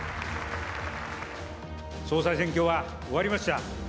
総裁選挙は終わりました。